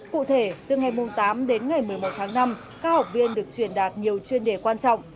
cụ thể từ ngày tám đến ngày một mươi một tháng năm các học viên được truyền đạt nhiều chuyên đề quan trọng